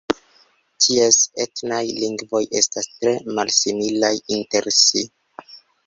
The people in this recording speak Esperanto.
Ties etnaj lingvoj estas tre malsimilaj inter si.